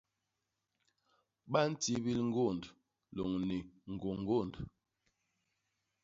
Ba ntibil ñgônd lôñni ñgôñgônd.